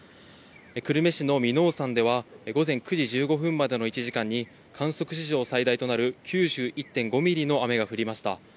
久留米市の耳納山では午前９時１５分までの１時間に観測史上最大となる９１．５ミリの雨が降りました。